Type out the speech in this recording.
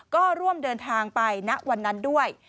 ก็ร่วมเดินทางไปณวันนั้นด้วย